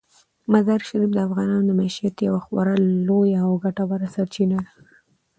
مزارشریف د افغانانو د معیشت یوه خورا لویه او ګټوره سرچینه ده.